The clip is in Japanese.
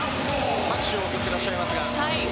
拍手を送っていらっしゃいますが。